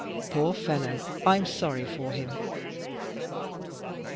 Poor fellow, I'm sorry for him."